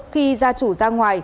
khi gia chủ ra ngoài